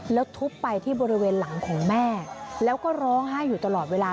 แล้วทุบไปที่บริเวณหลังของแม่แล้วก็ร้องไห้อยู่ตลอดเวลา